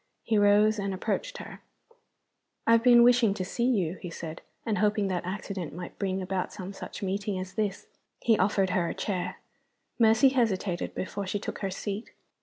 He rose, and approached her. "I have been wishing to see you," he said, "and hoping that accident might bring about some such meeting as this." He offered her a chair. Mercy hesitated before she took her seat.